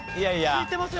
ついてますよ。